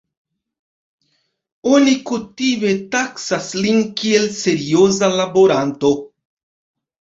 Oni kutime taksas lin kiel serioza laboranto.